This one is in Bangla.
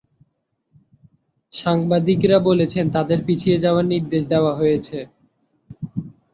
সাংবাদিকরা বলছেন, তাদের পিছিয়ে যাওয়ার নির্দেশ দেওয়া হয়েছে।